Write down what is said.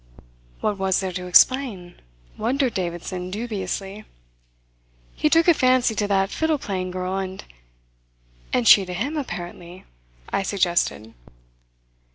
"What was there to explain?" wondered Davidson dubiously. "He took a fancy to that fiddle playing girl, and " "And she to him, apparently," I suggested.